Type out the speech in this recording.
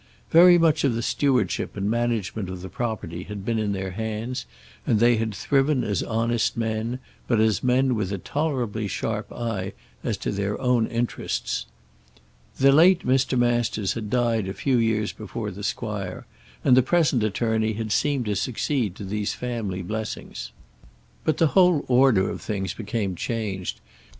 Very much of the stewardship and management of the property had been in their hands, and they had thriven as honest men, but as men with a tolerably sharp eye to their own interests. The late Mr. Masters had died a few years before the squire, and the present attorney had seemed to succeed to these family blessings. But the whole order of things became changed.